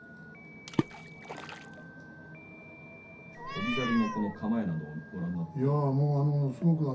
翔猿の構えなどもご覧になって、どうですか？